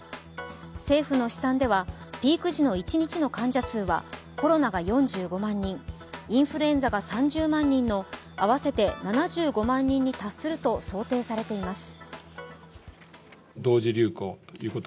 政府の試算では、ピーク時の一日の患者数はコロナが４５万人、インフルエンザが３０万人の合わせて７５万人に達すると想定されています。